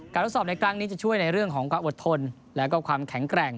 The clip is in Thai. ทดสอบในครั้งนี้จะช่วยในเรื่องของความอดทนแล้วก็ความแข็งแกร่ง